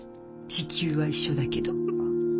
時給は一緒だけど。